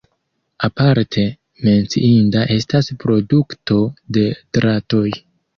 Aparte menciinda estas produkto de dratoj.